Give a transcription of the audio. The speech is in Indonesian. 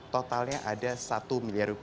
totalnya ada rp satu miliar